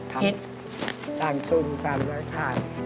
ทำสร้างสุนสร้างรายภาพ